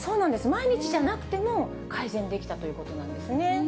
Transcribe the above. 毎日じゃなくても改善できたということなんですね。